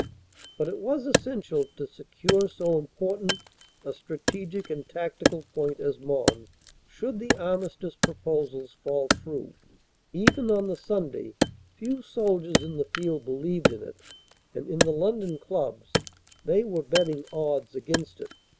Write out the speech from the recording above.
But it was essential to secure so impor THE MONS ROAD 397 tant a strategic and tactical point as Mons should the Armistice proposals fall through. Even on the Sunday, few soldiers in the field believed in it, and in the London clubs they were betting odds against it.